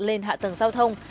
lên hạ tầng giao thông